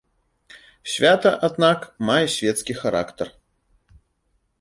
Свята, аднак, мае свецкі характар.